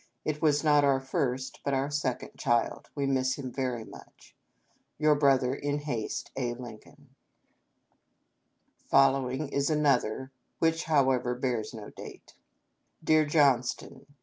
It was not our first, but our second child. We miss him very much. " Your Brother, in haste, " A. Lincoln." "To John D. Johnston." Following is another, which, however, bears no aate :" Dear Johnston